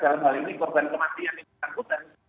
dalam hal ini korban kematian yang bersangkutan